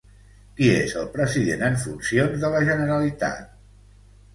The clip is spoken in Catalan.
Qui és el president en funcions de la Generalitat?